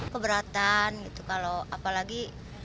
keberatan gitu kalau apalagi